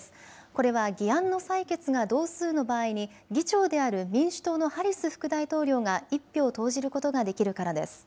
これは議案の採決が同数の場合に議長である民主党のハリス副大統領が１票を投じることができるからです。